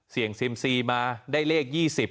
เสี่ยงซิมซีมาได้เลข๒๐